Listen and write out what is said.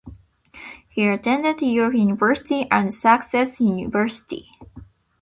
He attended York University and Sussex University.